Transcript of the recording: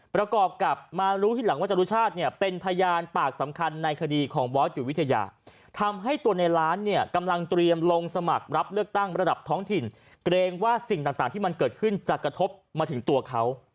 ประกอบกับมารู้ทีหลังว่าจรุชาติเนี่ยเป็นพยานปากสำคัญในคดีของบอสอยู่วิทยาทำให้ตัวในร้านเนี่ยกำลังเตรียมลงสมัครรับเลือกตั้งระดับท้องถิ่นเกรงว่าสิ่งต่างที่มันเกิดขึ้นจะกระทบมาถึงตัวเขา